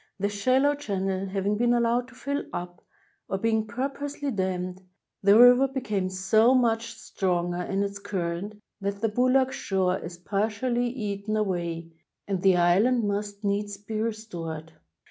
The shallow channel having been allowed to fill up, or being purposely dammed, the river became so much stronger in its current that the Boulak shore is partially eaten away, and the island must needs be restored.